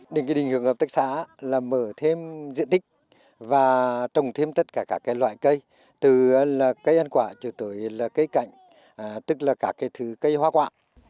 định hưởng hợp tác xã là mở thêm diện tích và trồng thêm tất cả các loại cây từ cây ăn quả cho tới cây cạnh tức là cả cây hóa quạ